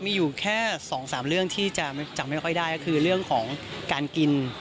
มีอยู่แค่๒๓เรื่องที่จะจำไม่ค่อยได้ก็คือเรื่องของการกิน